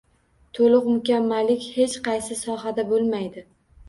To’liq mukammallik hech qaysi sohada bo’lmaydi